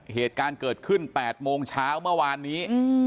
เหตุการณ์เกิดขึ้น๘โมงเช้าเมื่อวานนี้